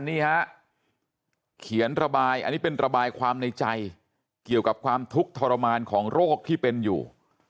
นี่ฮะเขียนระบายอันนี้เป็นระบายความในใจเกี่ยวกับความทุกข์ทรมานของโรคที่เป็นอยู่